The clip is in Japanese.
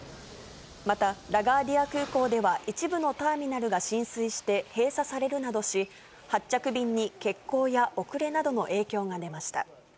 また、ラガーディア空港では一部のターミナルが浸水して閉鎖されるなどし、発着便に欠航や遅れなどの影響が出ました。